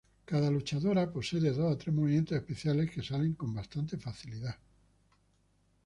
Cada luchadora posee de dos a tres movimientos especiales que salen con bastante facilidad.